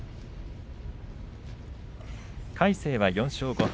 魁聖は４勝５敗。